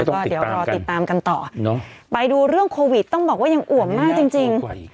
ก็เดี๋ยวรอติดตามกันต่อไปดูเรื่องโควิดต้องบอกว่ายังอ่วมมากจริง